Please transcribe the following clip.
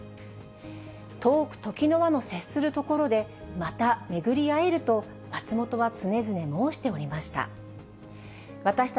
遠く時の輪の接する処でまた巡り会えると、松本は常々申しておりました。